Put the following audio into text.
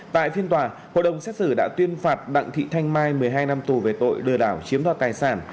tại phiên tòa hội đồng xét xử đã tuyên phạt đặng thị thanh mai một mươi hai năm tù về tội lừa đảo chiếm đoạt tài sản